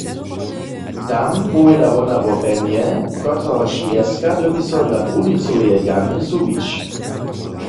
Tam powěda wona wo Benje, kotrehož wjeska dyrbi so dla brunicoweje jamy zhubić.